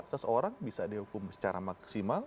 seseorang bisa dihukum secara maksimal